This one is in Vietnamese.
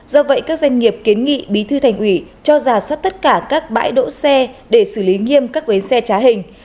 do vậy các doanh nghiệp kiến nghị bí thư thành ủy cho giả soát tất cả các bãi đỗ xe để xử lý nghiêm các bến xe trá hình